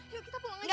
yuk kita pulang aja